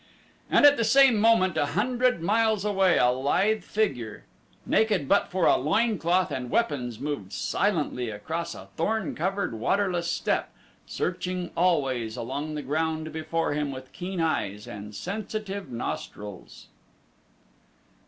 And at the same moment, a hundred miles away, a lithe figure, naked but for a loin cloth and weapons, moved silently across a thorn covered, waterless steppe, searching always along the ground before him with keen eyes and sensitive nostrils.